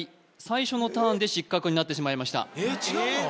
最初のターンで失格になってしまいましたえっ違うの？